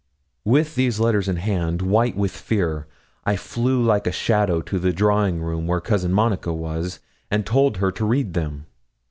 With these letters in my hand, white with fear, I flew like a shadow to the drawing room where Cousin Monica was, and told her to read them.